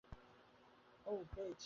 ওহ, পেয়েছি।